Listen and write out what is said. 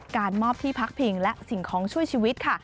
การมอบที่พักพิงและสิ่งของช่วยชีวิตค่ะ